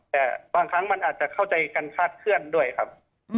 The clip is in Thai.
แต่บางครั้งมันอาจจะเข้าใจกันคาดเคลื่อนด้วยครับ